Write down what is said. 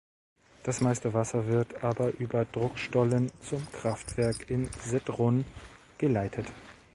Das meiste Wasser wird aber über Druckstollen zum Kraftwerk in Sedrun geleitet.